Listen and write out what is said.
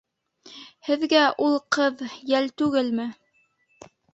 Һеҙгә ул ҡыҙ... йәл түгелме?